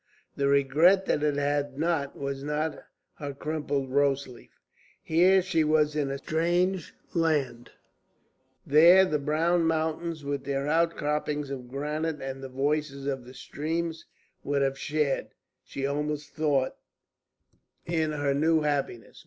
The regret that it had not was her crumpled rose leaf. Here she was in a strange land; there the brown mountains, with their outcroppings of granite and the voices of the streams, would have shared, she almost thought, in her new happiness.